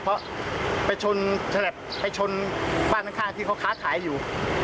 เพราะไปชนไปชนบ้านข้างที่เขาค้าขายอยู่